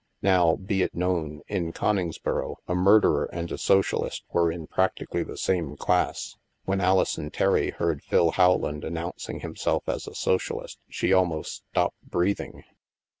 Now, be it known, in Coningsboro a murderer and a socialist were in practically the same class. When Alison Terry heard Phil Rowland announc ing himself as a socialist, she almost stopped breath ing.